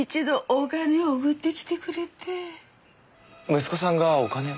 息子さんがお金を？